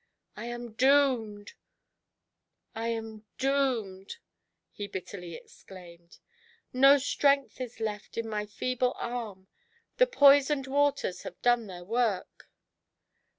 " I am doomed, I am doomed!" he bitterly exclaimed; "no strength is left in my feeble arm, the poisoned waters have done their work."